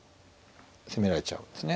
攻められちゃうんですね。